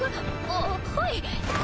あっはい。